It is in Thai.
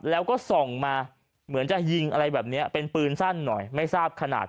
แล้วก็ส่องมาเหมือนจะยิงอะไรแบบนี้เป็นปืนสั้นหน่อยไม่ทราบขนาด